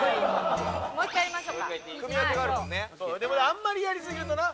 あんまりやりすぎるとな